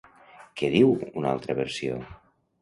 Què diu una altra versió?